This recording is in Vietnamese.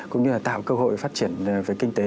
cũng như là tạo cơ hội phát triển về kinh tế